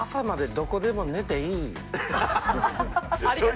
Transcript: どこでも寝ていいよ。